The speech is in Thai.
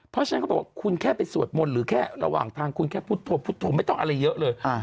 เพราะฉะนั้นเขาบอกว่าคุณแค่ไปสวดมนต์หรือแค่ระหว่างทางคุณแค่พุทธพุทธมไม่ต้องอะไรเยอะเลย